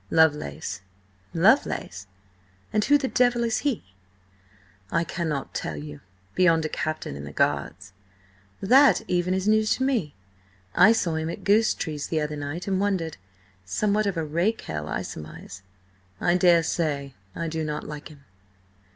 "Lovelace." "Lovelace? And who the devil is he?" "I cannot tell you–beyond a captain in the Guards." "That even is news to me. I saw him at Goosetree's the other night, and wondered. Somewhat of a rake hell, I surmise." "I daresay. I do not like him."